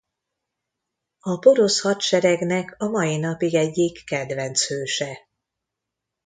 A porosz hadseregnek a mai napig egyik kedvenc hőse.